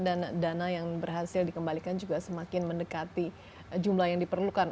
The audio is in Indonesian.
dan dana yang berhasil dikembalikan juga semakin mendekati jumlah yang diperlukan